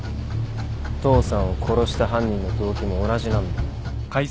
父さんを殺した犯人の動機も同じなんだよ。